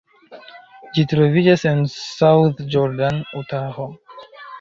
Ĝi troviĝas en South Jordan, Utaho.